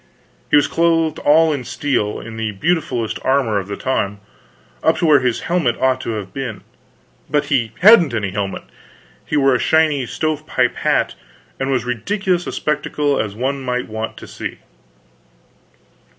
He was clothed all in steel, in the beautifulest armor of the time up to where his helmet ought to have been; but he hadn't any helmet, he wore a shiny stove pipe hat, and was ridiculous a spectacle as one might want to see.